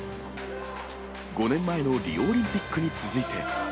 ５年前のリオオリンピックに続いて。